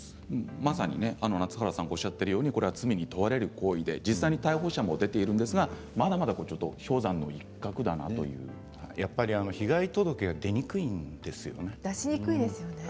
まさに夏原さんおっしゃっているようにこれは罪に問われる行為で実際に逮捕者も出ているんですがやっぱり被害届が出しにくいですよね。